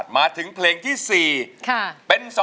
นี่พร้อมอินโทรเพลงที่สี่มาเลยครับ